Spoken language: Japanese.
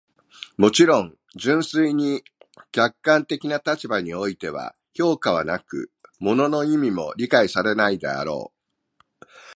もちろん、純粋に客観的な立場においては評価はなく、物の意味も理解されないであろう。